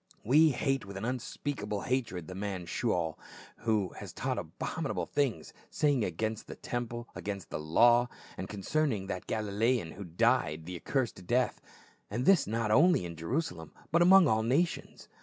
We hate with an unspeakable hatred the man Shaijl, who has taught abominable sayings against the temple, against the law, and concerning that Galilean who died the accursed death ; and this not only in Jerusalem, but among all nations.